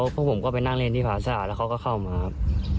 พวกผมก็ไปนั่งเล่นที่ภาษาแล้วเขาก็เข้ามาครับ